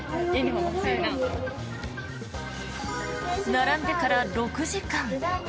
並んでから６時間。